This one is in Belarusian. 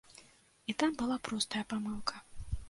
І там была простая памылка.